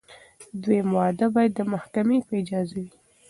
دویم واده باید د محکمې په اجازه وي.